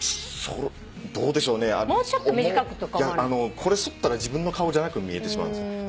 これそったら自分の顔じゃなく見えてしまうんです。